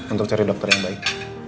untuk cari dokter yang baik